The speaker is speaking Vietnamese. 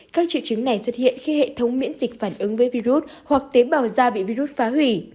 các triệu chứng này xuất hiện khi hệ thống miễn dịch phản ứng với virus hoặc tế bào da bị virus phá hủy